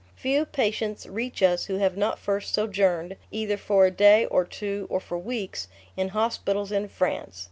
Few patients reach us who have not first sojourned, either for a day or two or for weeks, in hospitals in France.